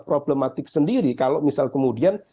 problematik sendiri kalau misal kemudian